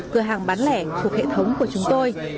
cửa hàng bán lẻ thuộc hệ thống của chúng tôi